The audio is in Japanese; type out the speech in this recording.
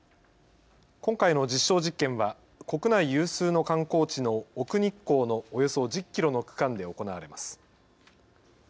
今回の実証実験は国内有数の観光地の奥日光のおよそ１０キロの区間で行われます。